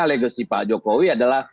legasi pak jokowi adalah